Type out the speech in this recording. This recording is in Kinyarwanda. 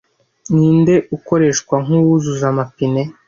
Ninde ukoreshwa nkuwuzuza amapine